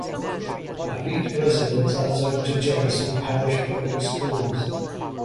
Lafitte residents are zoned to Jefferson Parish Public Schools.